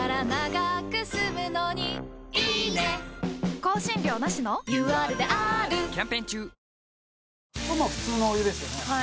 これ、まあ普通のお湯ですよね。